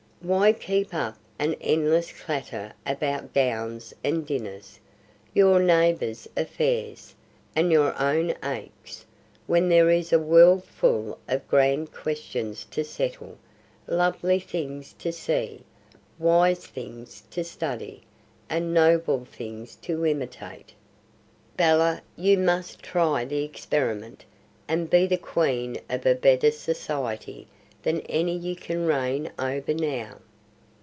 Why keep up an endless clatter about gowns and dinners, your neighbors' affairs, and your own aches, when there is a world full of grand questions to settle, lovely things to see, wise things to study, and noble things to imitate. Bella, you must try the experiment, and be the queen of a better society than any you can reign over now."